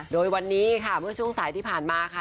โดยวันนี้ค่ะเมื่อช่วงสายที่ผ่านมาค่ะ